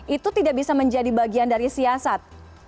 itu tidak bisa menjadi bagian dari siasat